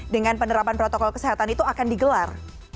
dengan penerapan protokol kesehatan itu akan digelar